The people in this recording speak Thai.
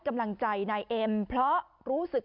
กำลังใจนายเอ็มเพราะรู้สึก